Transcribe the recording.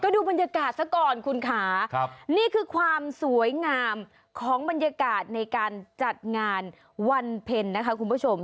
ดูบรรยากาศซะก่อนคุณค่ะนี่คือความสวยงามของบรรยากาศในการจัดงานวันเพ็ญนะคะคุณผู้ชม